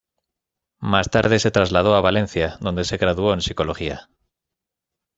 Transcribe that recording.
Más tarde se trasladó a Valencia, donde se graduó en Psicología.